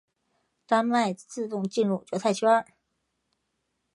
丹麦自动进入决赛圈。